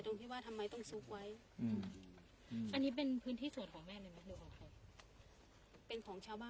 ตรงที่ว่าทำไมต้องสุกไว้